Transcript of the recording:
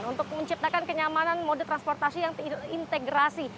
untuk menciptakan kenyamanan mode transportasi yang terintegrasi